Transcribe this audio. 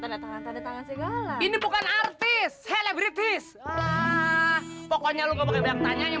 tanda tangan tanda tangan segala ini bukan artis helebritis pokoknya lupa pakai beak tanya yang